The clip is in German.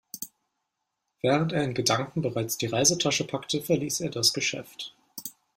Während er in Gedanken bereits die Reisetasche packte, verließ er das Geschäft.